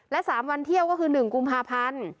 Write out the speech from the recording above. และ๓วันเที่ยวก็คือหนึ่งกุมภาพรรณ